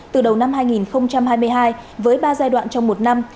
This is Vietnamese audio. từ đầu năm hai nghìn hai mươi hai với ba giai đoạn trong một năm